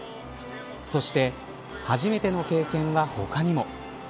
そして初めての経験は他にも。